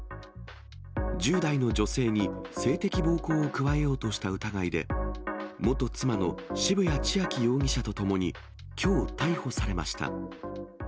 １０代の女性に性的暴行を加えようとした疑いで、元妻の渋谷千秋容疑者とともにきょう、逮捕されました。